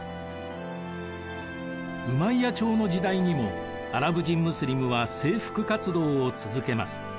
ウマイヤ朝の時代にもアラブ人ムスリムは征服活動を続けます。